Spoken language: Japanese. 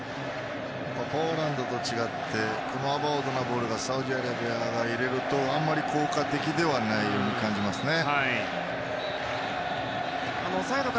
ポーランドと違って今のようなアバウトなボールはサウジアラビアが入れるとあまり効果的ではないような気がしますね。